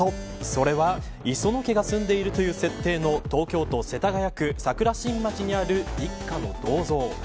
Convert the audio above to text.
それは、磯野家が住んでいるという設定の東京都世田谷区桜新町にある一家の銅像。